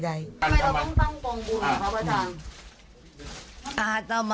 ไม่ต้องตั้งปรงบุญหรือพระพระทาง